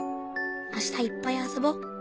あしたいっぱい遊ぼう。